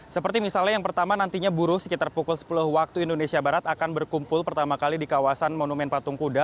seperti misalnya yang pertama nantinya buruh sekitar pukul sepuluh waktu indonesia barat akan berkumpul pertama kali di kawasan monumen patung kuda